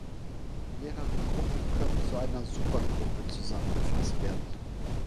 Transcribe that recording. Mehrere Gruppen können zu einer Supergruppe zusammengefasst werden.